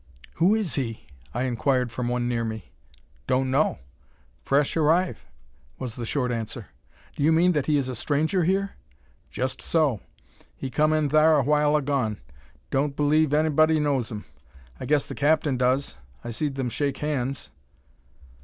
"Who is he?" I inquired from one near me. "Don't know; fresh arriv'," was the short answer. "Do you mean that he is a stranger here?" "Just so. He kumb in thar a while agone. Don't b'lieve anybody knows him. I guess the captain does; I seed them shake hands."